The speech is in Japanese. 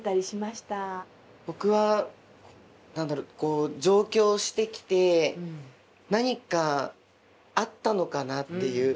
僕は何だろう上京してきて何かあったのかなっていう。